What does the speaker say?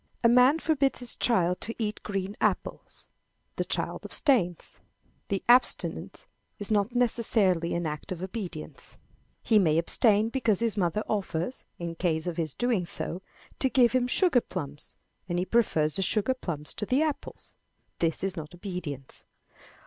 A man forbids his child to eat green apples. The child abstains. That abstinence is not necessarily an act of obedience. He may abstain because his mother offers, in case of his doing so, to give him sugar plums, and he prefers the sugar plums to the apples. This is not obedience.